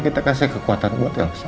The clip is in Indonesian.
kita kasih kekuatan buat elsa